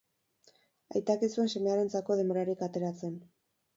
Aitak ez zuen semearentzako denborarik ateratzen.